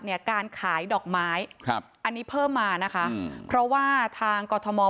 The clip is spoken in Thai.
การขายดอกไม้ครับอันนี้เพิ่มมานะคะเพราะว่าทางกรทม